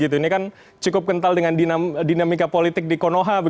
ini kan cukup kental dengan dinamika politik di konoha